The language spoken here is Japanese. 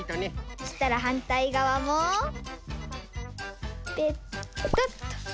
そしたらはんたいがわもペトッと！